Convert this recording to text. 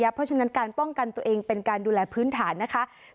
ระยะเพราะฉะนั้นการป้องกันตัวเองเป็นการดูแลพื้นฐานนะคะศพหน้าค่ะ